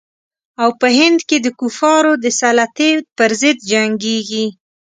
او په هند کې د کفارو د سلطې پر ضد جنګیږي.